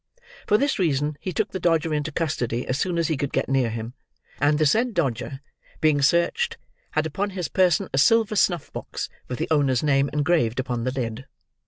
For this reason, he took the Dodger into custody as soon as he could get near him, and the said Dodger, being searched, had upon his person a silver snuff box, with the owner's name engraved upon the lid.